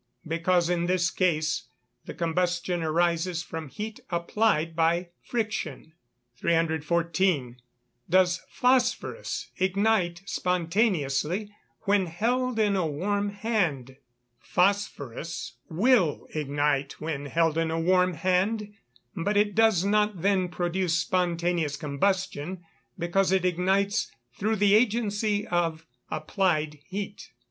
Because in this case the combustion arises from heat applied by friction. 314. Does phosphorous ignite spontaneously when held in a warm hand? Phosphorous will ignite when held in a warm hand, but it does not then produce spontaneous combustion, because it ignites through the agency of applied heat.